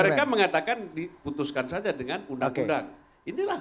mereka mengatakan diputuskan saja dengan undang undang